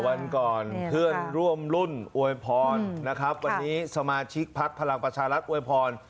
วันก่อนเพื่อนร่วมรุ่นโอยพรวันนี้สมาชิกพักภารกรรมประชารักษ์โอยพร